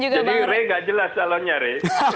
jadi re nggak jelas calonnya re